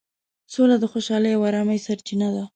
سوله د خوشحالۍ او ارامۍ سرچینه ده.